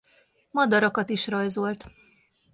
Madarakat is rajzolt.